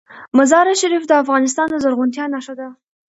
مزارشریف د افغانستان د زرغونتیا نښه ده.